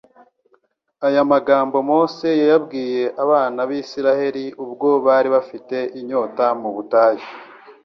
Aya magambo Mose yayabwiye abana b'Isiraheli ubwo bari bafite inyota mu butayu,